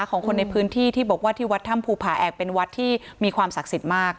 ของคนในพื้นที่ที่บอกว่าที่วัดถ้ำภูผาแอกเป็นวัดที่มีความศักดิ์สิทธิ์มาก